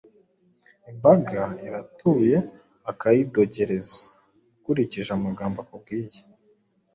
Imbaga irutuye akayidogereza .Ukurikije amagambo akubwira